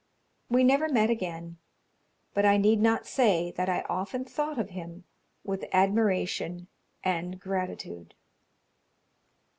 We never met again; but I need not say that I often thought of him with admiration and gratitude."